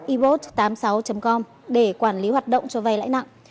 ebot tám mươi sáu com để quản lý hoạt động cho vai lãi nặng